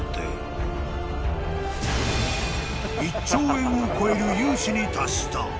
［１兆円を超える融資に達した］